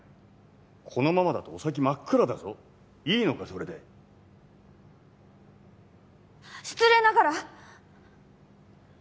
このままだとお先真っ暗だぞいいのかそれで失礼ながら！